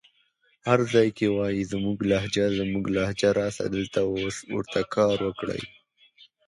هر ځای کې وايې زموږ لهجه زموږ لهجه راسه دلته اوس ورته کار وکړه